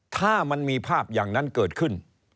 ถ้ามันมีภาพอย่างนั้นเกิดขึ้น